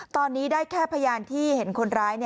ตอนนี้ได้แค่พยานที่เห็นคนร้าย